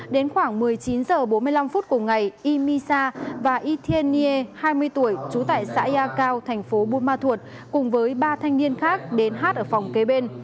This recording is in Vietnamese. đến khoảng một mươi chín h bốn mươi năm cùng ngày yimisa và yitian nie hai mươi tuổi trú tại xã yakao thành phố buôn ma thuột cùng với ba thanh niên khác đến hát ở phòng kế bên